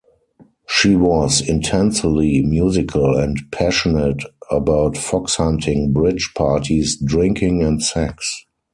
She was intensely musical and passionate about fox hunting, bridge, parties, drinking and sex.